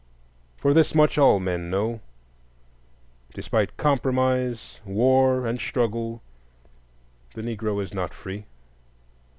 For this much all men know: despite compromise, war, and struggle, the Negro is not free.